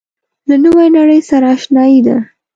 له نوې نړۍ سره آشنايي ده.